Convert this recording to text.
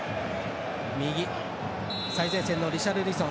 右、最前線のリシャルリソン。